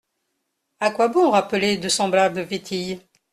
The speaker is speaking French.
À quoi bon rappeler de semblables vétilles ?